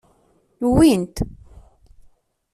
Wwin-t.